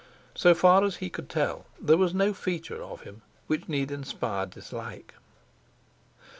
So far as he could tell there was no feature of him which need inspire dislike.